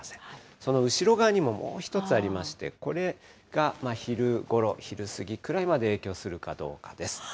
その後ろ側にももう一つありまして、これが昼ごろ、昼過ぎくらいまで影響するかどうかです。